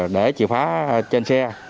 để chìa khóa trên xe